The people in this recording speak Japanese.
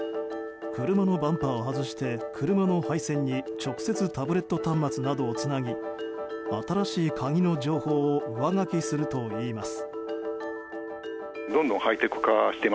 車のバンパーを外して車の配線に直接タブレット端末などをつなぎ新しい鍵の情報を上書きするといいます。